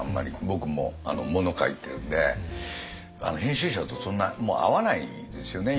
僕も物書いてるんで編集者とそんな会わないですよね